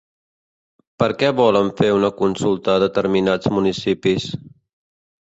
Per què volen fer una consulta a determinats municipis?